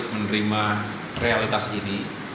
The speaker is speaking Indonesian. untuk menerima realitas ini